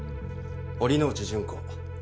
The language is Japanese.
堀之内純子